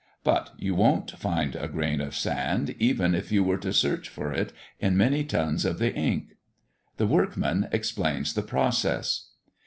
But you wont find a grain of sand even if you were to search for it in many tons of the ink. The workman explains the process.